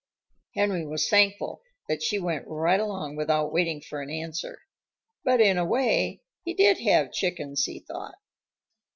Henry was thankful that she went right along without waiting for an answer. But in a way he did have chickens, he thought.